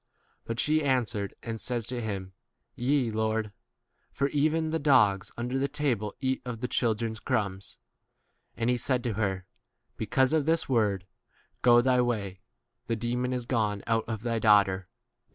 1 But she answered and says to him, Yea, Lord ; for even the dogs under the tahle eat of 29 the children's™ crumbs. And he said to her, Because of this word, go thy way, the demon is gone 30 out of thy daughter.